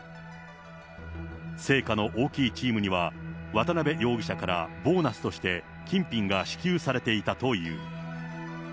成果の大きいチームには、渡辺容疑者からボーナスとして金品が支給されていたという。